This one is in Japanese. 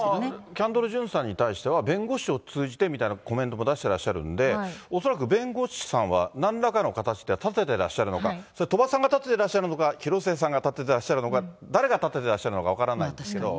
キャンドル・ジュンさんに対しては弁護士を通じてみたいなコメントも出していらっしゃるので、恐らく弁護士さんはなんらかの形で立てていらっしゃるのか、それ、鳥羽さんが立ててらっしゃるのか、広末さんが立ててらっしゃるのか、誰が立てていらっしゃるのか分からないですけど。